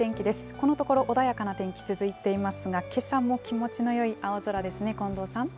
このところ、穏やかな天気続いていますが、けさも気持ちのよい青空ですね、近藤さん。